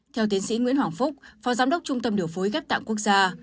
theo tiến sĩ nguyễn hoàng phúc phó giám đốc trung tâm điều phối ghép tạng quốc gia